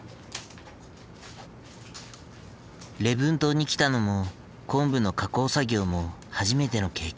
礼文島に来たのもコンブの加工作業も初めての経験。